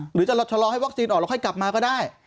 หรือจะชะลอให้วัคซีนออกแล้วค่อยกลับมาก็ได้